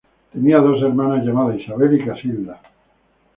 Tenía dos hermanas llamadas Isabel y Casilda.